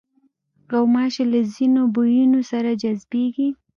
غوماشې له ځینو بویونو سره جذبېږي.